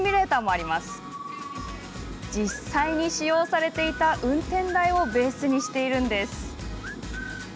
こちら実際に使用されていた運転台をベースにしているんです。